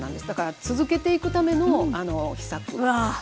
だから続けていくための秘策。